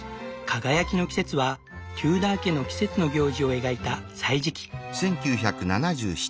「輝きの季節」はテューダー家の季節の行事を描いた歳時記。